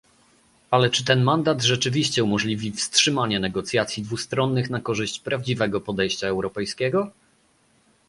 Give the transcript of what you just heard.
Ale czy ten mandat rzeczywiście umożliwi wstrzymanie negocjacji dwustronnych na korzyść prawdziwego podejścia europejskiego?